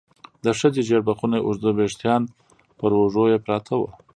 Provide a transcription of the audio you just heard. د ښځې ژېړ بخوني اوږده ويښتان پر اوږو يې پراته وو.